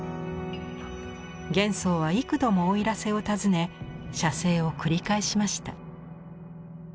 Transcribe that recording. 元宋は幾度も奥入瀬を訪ね写生を繰り返しました。